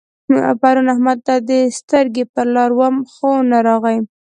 پرون احمد ته سترګې پر لار وم خو نه راغی.